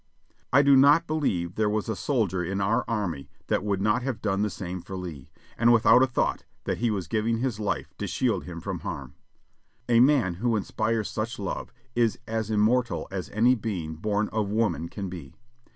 I do not believe there was a soldier in our army that would not have done the same for Lee, and without a thought that he was giving his life to shield him from harm. A man who inspires such love is as immortal as any being born of woman can be.